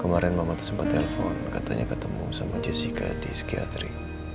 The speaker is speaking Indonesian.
kemarin mama tuh sempat telepon katanya ketemu sama jessica di skiathri